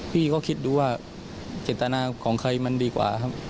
พี่ก็คิดดูว่าเจตนาของใครมันดีกว่าครับ